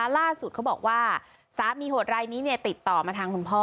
เขาบอกว่าสามีโหดรายนี้ติดต่อมาทางคุณพ่อ